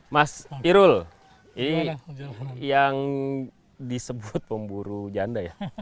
mas irul ini yang disebut pemburu janda ya